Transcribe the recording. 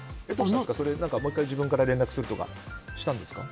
もう１回自分から連絡するとかしたんですか？